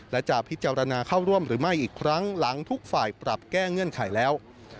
และจะพิจารณาเข้าร่วมหรือไม่อีกครั้งหลังทุกฝ่ายปรับแก้เงื่อนไขแล้ว